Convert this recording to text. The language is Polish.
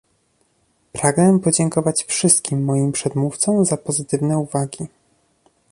Pragnę podziękować wszystkim moim przedmówcom za pozytywne uwagi